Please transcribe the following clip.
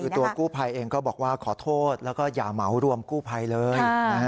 ตัวกู้ภัยเองก็บอกว่าขอโทษแล้วก็อย่าเหมารวมกู้ภัยเลย